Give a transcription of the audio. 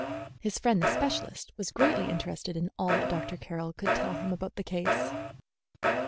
His friend the specialist was greatly interested in all that Dr. Carroll could tell him about the case.